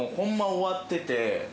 終わってて。